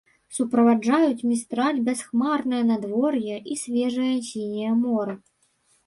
Суправаджаюць містраль бясхмарнае надвор'е і свежае сіняе мора.